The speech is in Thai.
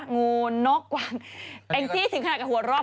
งูนกกว้างแม่งพี่ถึงอะไรกับหัวรอบ